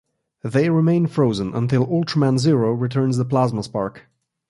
They remain frozen until Ultraman Zero returns The Plasma Spark.